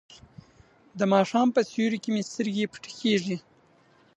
د ماښام په سیوري کې مې سترګې پټې کیږي.